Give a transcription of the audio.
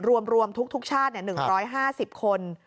รวมรวมทุกทุกชาติเนี่ยหนึ่งร้อยห้าสิบคน